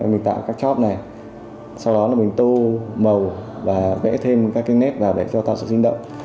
mình tạo các chóp này sau đó là mình tô màu và vẽ thêm các cái nếp vào để cho tạo sự sinh động